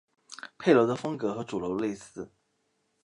配楼的风格和主楼类似。